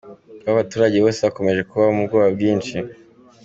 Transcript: Kuba abaturage bose bakomeje kubaho mu bwoba bwinshi.